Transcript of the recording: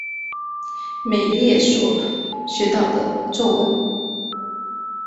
美列所学到的咒文。